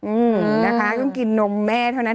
อืมนะคะต้องกินนมแม่เท่านั้น